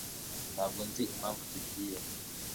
Ntabwo nzi n'impamvu tugiye.